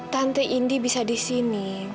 tante indi bisa disini